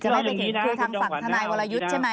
ไม่ไปถึงคือทางฝั่งทนายวรยุทธ์ใช่ไหม